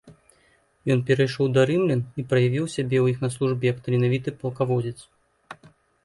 Ён перайшоў да рымлян і праявіў сябе ў іх на службе як таленавіты палкаводзец.